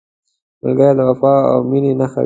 ملګری د وفا او مینې نښه وي